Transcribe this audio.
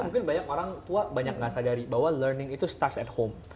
ini mungkin banyak orang tua nggak sadari bahwa learning itu start at home